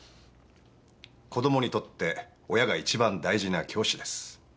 「子供にとって親が一番大事な教師です」